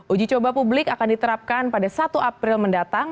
uji coba publik akan diterapkan pada satu april mendatang